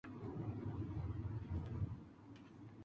Los humanos pueden ser susceptibles a esta falacia.